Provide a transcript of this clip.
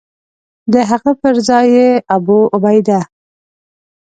د هغه پر ځای یې ابوعبیده.